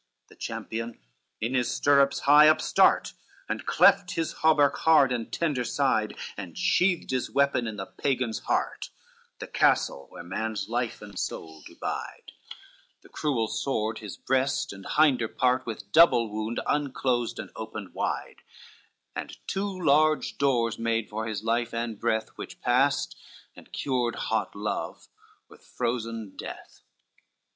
CXX The champion in his stirrups high upstart, And cleft his hauberk hard and tender side, And sheathed his weapon in the Pagan's heart, The castle where man's life and soul do bide; The cruel sword his breast and hinder part With double wound unclosed, and opened wide; And two large doors made for his life and breath, Which passed, and cured hot love with frozen death.